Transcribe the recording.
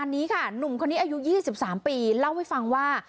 นี่ค่ะหนุ่มคนนี้อายุยี่สิบสามปีเล่าให้ฟังว่า